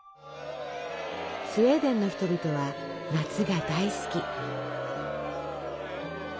スウェーデンの人々は夏が大好き！